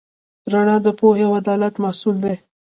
رڼا د پوهې او عدالت محصول دی.